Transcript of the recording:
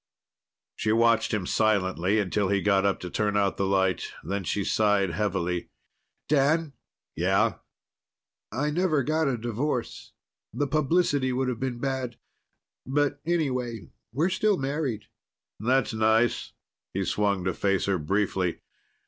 She watched him silently until he got up to turn out the light. Then she sighed heavily. "Dan?" "Yeah?" "I never got a divorce. The publicity would have been bad. But anyway, we're still married." "That's nice." He swung to face her briefly.